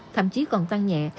thậm chí còn tăng nhẹ